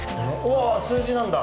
おわ数字なんだ。